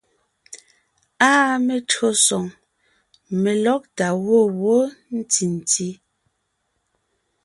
Áa metÿǒsoŋ , melɔ́gtà gwɔ̂ wó ntì ntí.